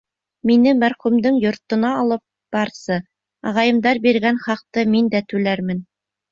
Мине мәрхүмдең йортона алып барсы, ағайымдар биргән хаҡты мин дә түләрмен.